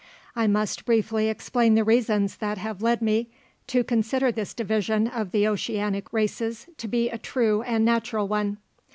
I must briefly explain the reasons that have led me to consider this division of the Oceanic races to be a true and natural one.